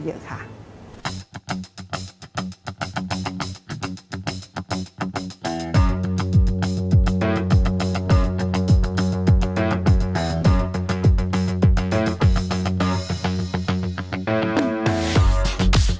โปรดติดตามตอนต่อไป